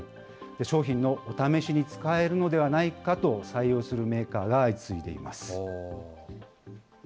商品のお試しに使えるのではないかと、採用するメーカーが相次いでいます。